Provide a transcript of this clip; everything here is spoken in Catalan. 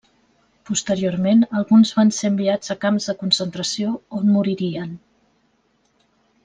Posteriorment alguns van ser enviats a camps de concentració on moririen.